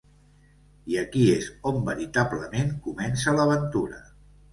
I aquí és on veritablement comença l'aventura.